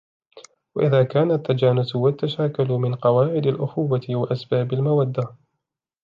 وَإِذَا كَانَ التَّجَانُسُ وَالتَّشَاكُلُ مِنْ قَوَاعِدِ الْأُخُوَّةِ وَأَسْبَابِ الْمَوَدَّةِ